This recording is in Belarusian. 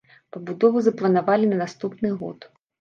Пабудову запланавалі на наступны год.